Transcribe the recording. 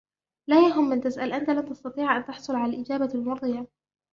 لا يهم من تسأل, أنتَ لن تستطيع أن تحصل على الإجابة المُرضية.